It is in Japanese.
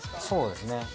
そうですね。